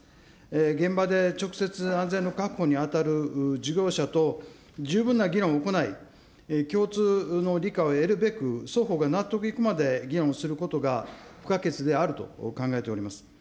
現場で直接、安全の確保に当たる事業者と十分な議論を行い、共通の理解を得るべく、双方が納得いくまで議論することが不可欠であると考えております。